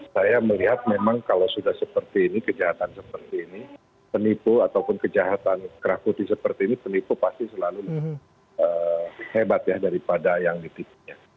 saya melihat memang kalau sudah seperti ini kejahatan seperti ini penipu ataupun kejahatan kerah putih seperti ini penipu pasti selalu lebih hebat ya daripada yang ditipunya